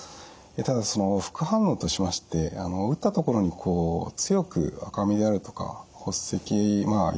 ただ副反応としまして打ったところに強く赤みであるとか発赤まあ痛みですね